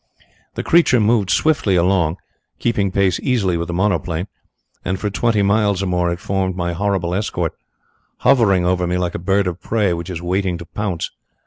The creature moved swiftly along, keeping pace easily with the monoplane, and for twenty miles or more it formed my horrible escort, hovering over me like a bird of prey which is waiting to pounce.